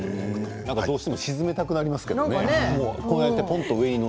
どうしても沈めたくなりますけどね。